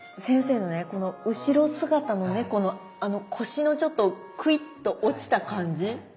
先生のねこの後ろ姿のねこの腰のちょっとくいっと落ちた感じ。